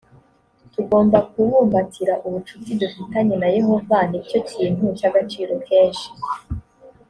tugomba kubumbatira ubucuti dufitanye na yehova ni cyo kintu cy agaciro kenshi